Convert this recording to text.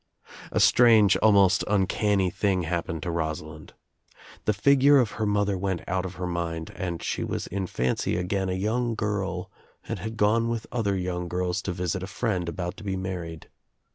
A strange, almost uncanny thing happened to Rosa lind. The figure of her mother went out of her mind and she was in fancy again a young girl and had gone with other young girls to visit a friend about to be married.